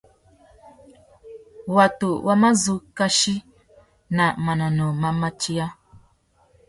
Watu wá má zu kachi nà manônôh má matia.